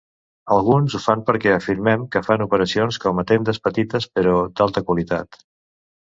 Alguns ho fan perquè afirmen que fan operacions com a tendes petites però d'alta qualitat.